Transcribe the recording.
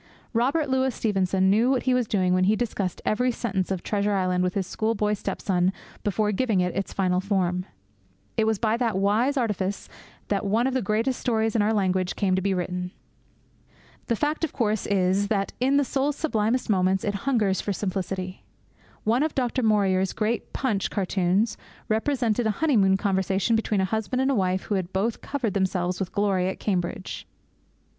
Robert Louis Stevenson knew what he was doing when he discussed every sentence of Treasure Island with his schoolboy step son before giving it its final form. It was by that wise artifice that one of the greatest stories in our language came to be written. The fact, of course, is that in the soul's sublimest moments it hungers for simplicity. One of Du Maurier's great Punch cartoons represented a honeymoon conversation between a husband and wife who had both covered themselves with glory at Cambridge.